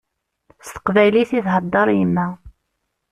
S teqbaylit i theddeṛ yemma.